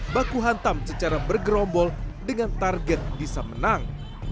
baku hantam secara bergerombol dengan target bisa menang